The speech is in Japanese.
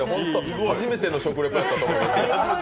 初めての食リポだったと思います。